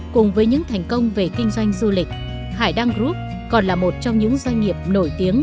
cùng với những thành công về kinh doanh du lịch hải đăng group còn là một trong những doanh nghiệp nổi tiếng